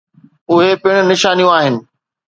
اهي پڻ نشانيون آهن.